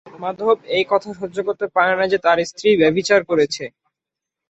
মাধব এই কথা সহ্য করতে পারে না যে তার স্ত্রী ব্যভিচার করেছে।